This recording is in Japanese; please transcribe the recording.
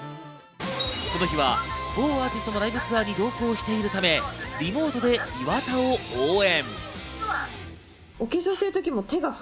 この日は某アーティストのライブツアーに同行しているため、リモートで岩田を応援。